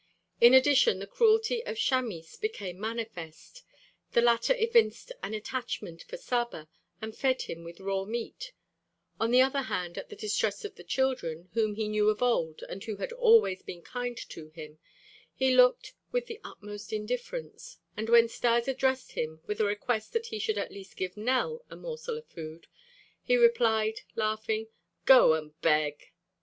In addition the cruelty of Chamis became manifest. The latter evinced an attachment for Saba and fed him with raw meat; on the other hand, at the distress of the children, whom he knew of old and who had always been kind to him, he looked with the utmost indifference, and when Stas addressed him with a request that he should at least give Nell a morsel of food, he replied, laughing: "Go and beg."